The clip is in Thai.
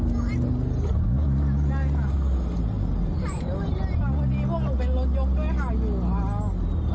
ไม่ใช่มายวันดีพวกตัวเราเป็นรถยกด้วยหายอยู่ค่ะ